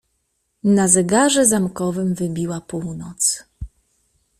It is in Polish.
"Na zegarze zamkowym wybiła północ."